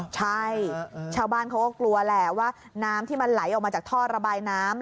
ใช่ชาวบ้านเขาก็กลัวแหละว่าน้ำที่มันไหลออกมาจากท่อระบายน้ำ